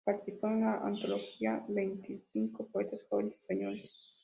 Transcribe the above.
Participó en la antología Veinticinco poetas jóvenes españoles.